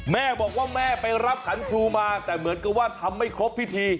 แม่บอกว่าแม่ไปรับขันครูมาแต่เหมือนกับว่าทำไม่ครบพิธี